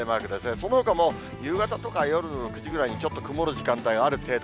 そのほかも、夕方とか夜９時ぐらいにちょっと曇る時間帯がある程度。